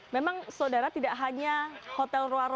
memang saudara tidak hanya hotel rowa rowa saja